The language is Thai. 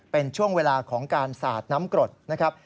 เป็นช่วงเวลาของการสาดน้ำกรดนะครับ